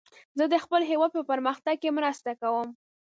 زه د خپل هیواد په پرمختګ کې مرسته کوم.